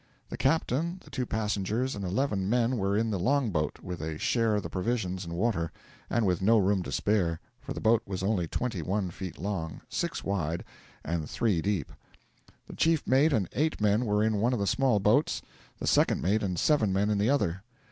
The captain, the two passengers, and eleven men were in the long boat, with a share of the provisions and water, and with no room to spare, for the boat was only twenty one feet long, six wide, and three deep. The chief mate and eight men were in one of the small boats, the second mate and seven men in the other.